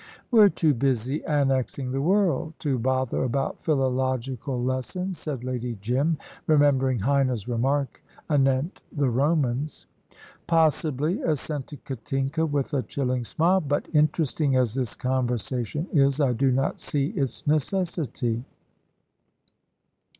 "We're too busy annexing the world to bother about philological lessons," said Lady Jim, remembering Heine's remark anent the Romans. "Possibly," assented Katinka, with a chilling smile; "but, interesting as this conversation is, I do not see its necessity."